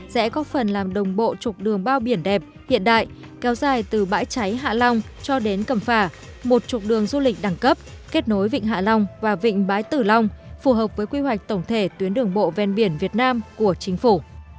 sẽ có phần làm đồng bộ trục đường bao biển đẹp hiện đại kéo dài từ bãi cháy hạ long cho đến cẩm phả một trục đường du lịch đẳng cấp kết nối vịnh hạ long và vịnh bãi tử long phù hợp với quy hoạch tổng thể tuyến đường bộ ven biển việt nam của chính phủ